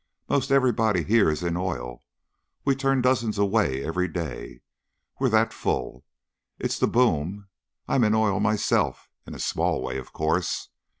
"'Most everybody here is in oil. We turn dozens away every day, we're that full. It's the boom. I'm in oil myself in a small way, of course.